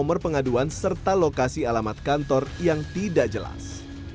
nomor pengaduan serta lokasi alamat kantor yang tidak jelas